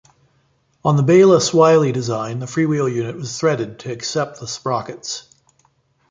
On the Bayliss-Wiley design the freewheel unit was threaded to accept the sprockets.